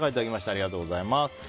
ありがとうございます。